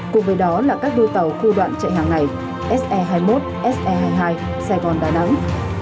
cùng với đó là các đôi tàu khu đoạn chạy hàng ngày se hai mươi một se hai mươi hai sài gòn đà nẵng